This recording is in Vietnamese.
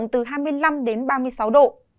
từ hai mươi năm đến ba mươi sáu độ